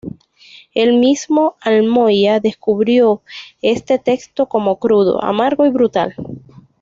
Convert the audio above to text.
El mismo Almoina describió este texto como crudo, amargo y brutal.